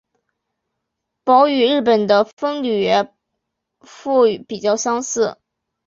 褓与日本的风吕敷比较相似。